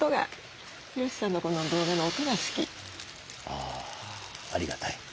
あありがたい。